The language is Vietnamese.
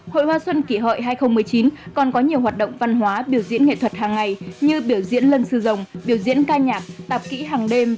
hội hoa xuân kỷ hợi hai nghìn một mươi chín còn có nhiều hoạt động văn hóa biểu diễn nghệ thuật hàng ngày như biểu diễn lân sư rồng biểu diễn ca nhạc tạp kỹ hàng đêm